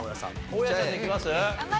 大家さんでいきます？